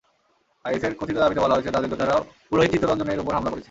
আইএসের কথিত দাবিতে বলা হয়েছে, তাদের যোদ্ধারা পুরোহিত চিত্তরঞ্জনের ওপর হামলা করেছে।